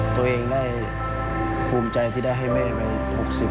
ตัวเองได้ภูมิใจที่ได้ให้แม่ไป๖๐